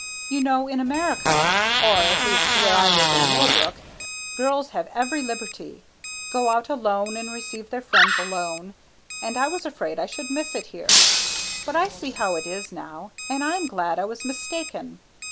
You know in America or at least where I live in Milbrook, girls have every liberty, go out alone and receive their friends alone, and I was afraid I should miss it here. But I see how it is now, and I am glad I was mistaken."